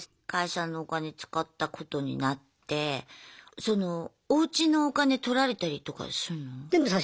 会社のお金使ったことになってそのおうちのお金取られたりとかすんの？